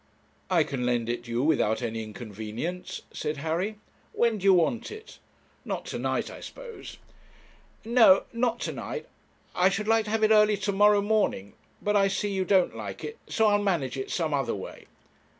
'I can lend it you without any inconvenience,' said Harry. 'When do you want it not to night, I suppose?' 'No not to night I should like to have it early to morrow morning; but I see you don't like it, so I'll manage it some other way.'